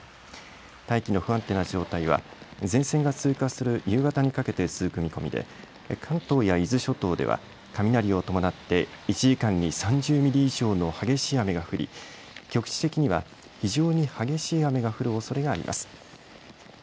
大気の不安定な状態は前線が通過する夕方にかけて続く見込みで関東や伊豆諸島では雷を伴って１時間に３０ミリ以上の激しい雨が降り局地的には非常に激しい雨が降るおそれがあります。